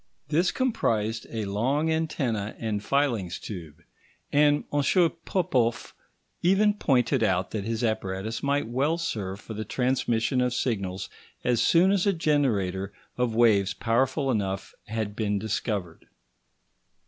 This comprised a long antenna and filings tube, and M. Popoff even pointed out that his apparatus might well serve for the transmission of signals as soon as a generator of waves powerful enough had been discovered.